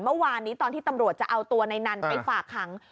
เมื่อวานนี้ตอนที่ตำรวจจะเอาตัวในนั้นไปฝากขัง